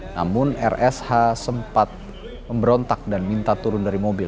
namun rsh sempat memberontak dan minta turun dari mobil